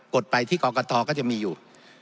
ดไปที่กรกตก็จะมีอยู่